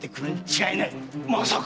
まさか！